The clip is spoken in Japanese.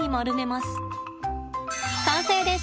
完成です。